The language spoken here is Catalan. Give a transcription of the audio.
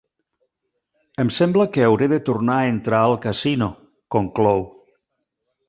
Em sembla que hauré de tornar a entrar al casino —conclou.